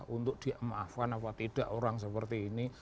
untuk di maafkan apa tidak orang seperti ini